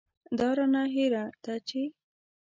دا رانه هېره ده چې.